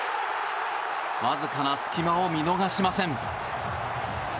わずかな隙間を見逃しません。